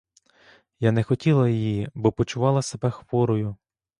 Я не хотіла її, бо почувала себе хворою.